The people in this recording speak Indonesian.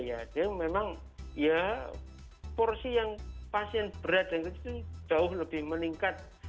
jadi memang ya porsi yang pasien berat dan kritis itu jauh lebih meningkat